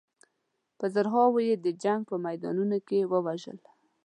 په زرهاوو یې د جنګ په میدانونو کې ووژل.